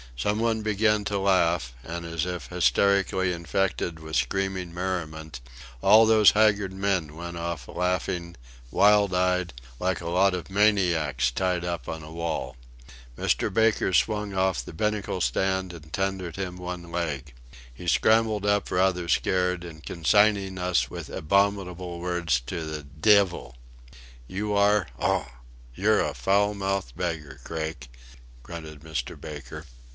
Some one began to laugh, and, as if hysterically infected with screaming merriment, all those haggard men went off laughing, wild eyed, like a lot of maniacs tied up on a wall. Mr. Baker swung off the binnacle stand and tendered him one leg. He scrambled up rather scared, and consigning us with abominable words to the "divvle." "You are.... Ough! You're a foul mouthed beggar, Craik," grunted Mr. Baker.